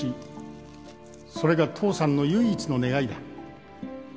「それが父さんの唯一の願いだ」